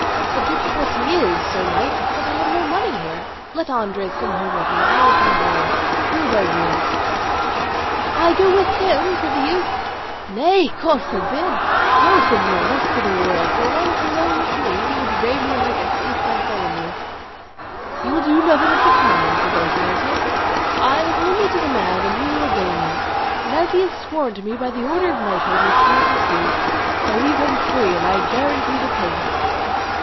"The difficulty is, Sir Knight, that I have no money here; let Andres come home with me, and I will pay him all, real by real." "I go with him!" said the youth. "Nay, God forbid! No, señor, not for the world; for once alone with me, he would flay me like a Saint Bartholomew." "He will do nothing of the kind," said Don Quixote; "I have only to command, and he will obey me; and as he has sworn to me by the order of knighthood which he has received, I leave him free, and I guarantee the payment."